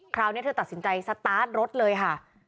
คราวนี้เธอตัดสินใจสตาร์ทรถเลยค่ะ